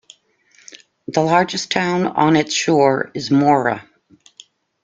The largest town on its shore is Mora.